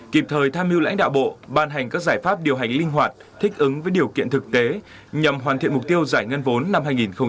kịp thời tham mưu lãnh đạo bộ ban hành các giải pháp điều hành linh hoạt thích ứng với điều kiện thực tế nhằm hoàn thiện mục tiêu giải ngân vốn năm hai nghìn hai mươi